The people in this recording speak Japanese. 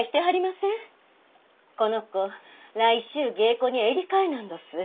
この子来週芸妓に襟替えなんどす。